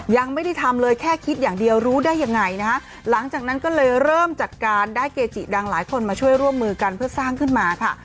ยังไม่ได้ทำเลยแค่คิดอย่างเดียวรู้ได้ยังไงนะฮะหลังจากนั้นก็เลยเริ่มจัดการได้เกจิดังหลายคนมาช่วยร่วมมือกันเพื่อสร้างขึ้นมาค่ะ